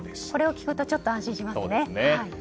これを聞くとちょっと安心しますね。